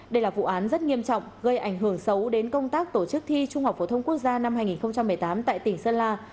đây là vụ án rất nghiêm trọng gây ảnh hưởng xấu đến công tác tổ chức thi trung học phổ thông quốc gia năm hai nghìn một mươi tám tại tỉnh sơn la